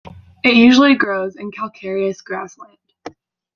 It usually grows in calcareous grassland.